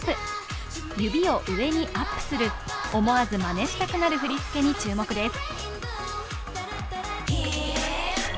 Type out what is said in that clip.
指を上にアップする思わずまねしたくなる振り付けに注目です。